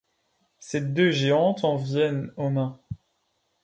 Ces deux géantes en viennent aux mains.